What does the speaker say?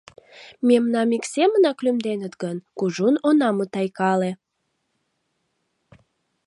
Мемнам ик семынак лӱмденыт гын, кужун она мутайкале.